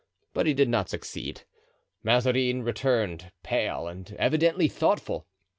But he did not succeed. Mazarin returned, pale, and evidently thoughtful.